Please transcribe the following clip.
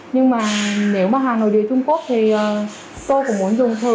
nhưng mà nếu mà hàng nội địa trung quốc thì tôi cũng muốn dùng thử